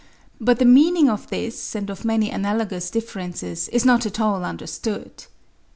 but the meaning of this and of many analogous differences, is not at all understood.